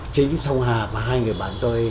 chính sông hà và hai người bạn tôi